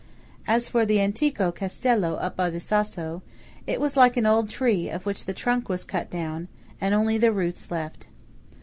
As for the antico castello up by the Sasso, it was like an old tree of which the trunk was cut down, and only the roots left.